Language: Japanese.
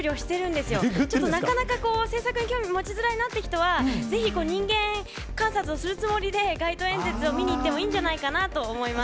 でもなかなか政策に、興味を持ちづらいなという人は、ぜひ人間観察をするつもりで、街頭演説を見にいってもいいんじゃないかなと思います。